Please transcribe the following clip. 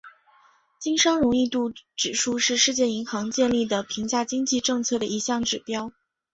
经商容易度指数是世界银行建立的评价经济政策的一项指标。